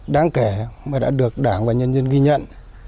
đáng kể mà đã được đảng và nhân dân ghi nhận